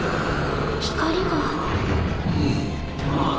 光が。